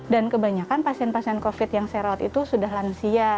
dan kebanyakan pasien pasien covid yang saya rawat itu sudah lansia